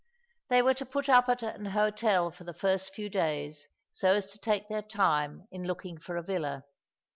They were to put up at an hotel for the first few days, so as to take their time in looking for a villa.